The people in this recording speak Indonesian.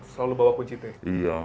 selalu bawa kunci kemana